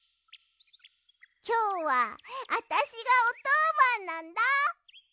きょうはあたしがおとうばんなんだ。